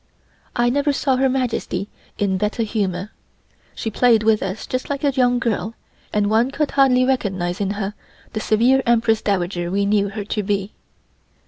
I never saw Her Majesty in better humor. She played with us just like a young girl, and one could hardly recognize in her the severe Empress Dowager we knew her to be.